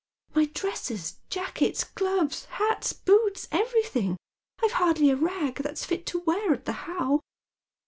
"My dresses, jackets, gloves, hats, boots, everything. I've hardly a rag that's fit to wear at the How."